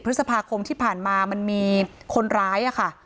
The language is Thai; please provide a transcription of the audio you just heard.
พฤษภาคมที่ผ่านมามันมีคนร้ายค่ะ